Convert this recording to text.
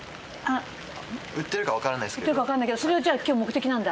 売ってるかわからないけどそれをじゃあ今日目的なんだ？